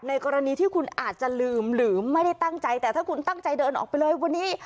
กรณีที่คุณอาจจะลืมหรือไม่ได้ตั้งใจแต่ถ้าคุณตั้งใจเดินออกไปเลยวันนี้